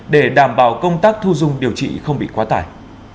để đảm bảo công tác thu dung điều trị không bị quá tải